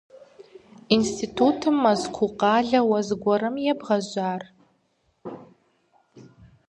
Институтым Мэзкуу къалэ уэ зэгуэрым ебгъэжьар?